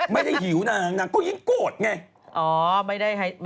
ไม่ได้หิวนางก็ยิ่งโกรธไง